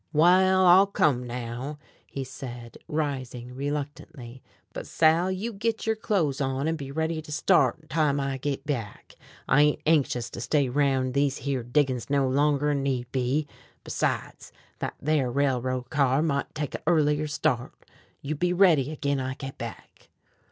"Wal, I'll come now," he said, rising reluctantly; "but, Sal, you git yer clothes on an' be ready to start time I git back. I ain't anxious to stay round these here diggin's no longer'n need be. Besides, that thar railroad car mought take a earlier start. You be ready ag'in I git back."